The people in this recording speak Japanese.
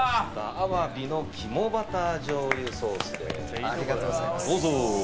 アワビの肝バター醤油ソースです。